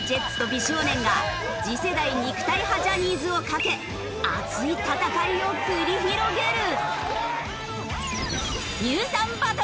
美少年が次世代肉体派ジャニーズをかけ熱い戦いを繰り広げる！